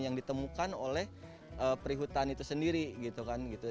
yang ditemukan oleh perihutan itu sendiri gitu kan gitu